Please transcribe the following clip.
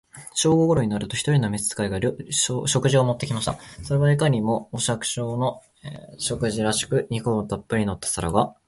正午頃になると、一人の召使が、食事を持って来ました。それはいかにも、お百姓の食事らしく、肉をたっぶり盛った皿が、